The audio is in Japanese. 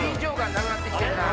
なくなってきてるな。